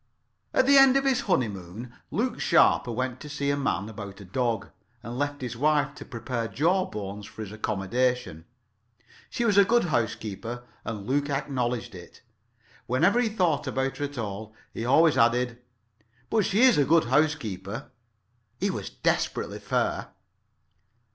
At the end of his honeymoon Luke Sharper went to see a man about a dog, and left his wife to prepare Jawbones for his accommodation. She was a good housekeeper, and Luke acknowledged it. Whenever he thought about her at all, he always added "but she is a good housekeeper." He was desperately fair.